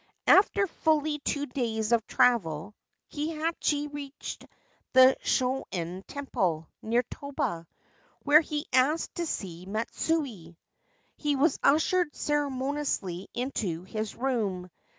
After fully two days of travel, Kihachi reached the Shonen Temple, near Toba, where he asked to see Matsui. He was ushered ceremoniously into his room.